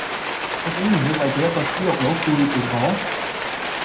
你竟然會為咗一個豬肉佬背叛我